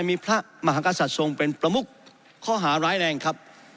มีพระมหากษัตริย์ทรงเป็นประมุกข้อหาร้ายแรงครับ